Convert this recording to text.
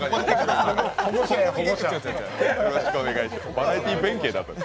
バラエティー弁慶。